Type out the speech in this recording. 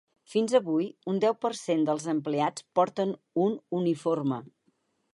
Fins avui, un deu per cent dels empleats porten un uniforme.